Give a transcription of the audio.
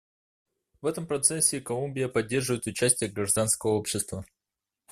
В этом процессе Колумбия поддерживает участие гражданского общества.